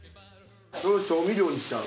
それ調味料にしちゃう？